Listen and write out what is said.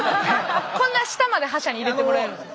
こんな下まで覇者に入れてもらえるんですか？